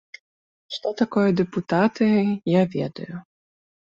Што такое дэпутаты, я ведаю.